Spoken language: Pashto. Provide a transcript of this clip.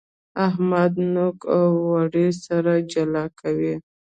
احمد نوک او اورۍ سره جلا کوي.